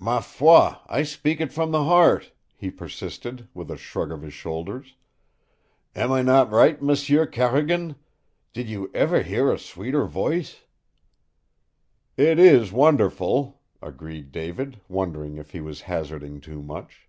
"Ma foi, I speak it from the heart," he persisted, with a shrug of his shoulders. "Am I not right, M'sieu Carrigan? Did you ever hear a sweeter voice?" "It is wonderful," agreed David, wondering if he was hazarding too much.